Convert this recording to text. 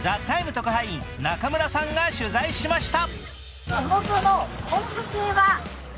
特派員中村さんが取材しました。